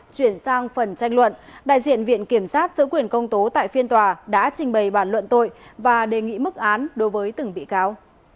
chuyển sang phần tranh luận đại diện viện kiểm sát giữ quyền công tố tại phiên tòa đã trình bày bản luận tội và đề nghị mức án đối với từng bị cáo